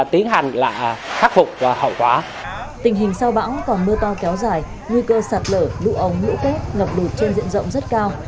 tình hình sau bão còn mưa to kéo dài nguy cơ sạt lở lũ ống lũ quét ngập lụt trên diện rộng rất cao